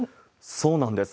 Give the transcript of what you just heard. そうなんです。